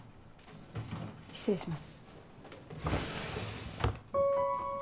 失礼します。